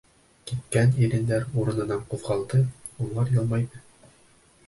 Кипкән ирендәр урынынан ҡуҙғалды, улар йылмайҙы.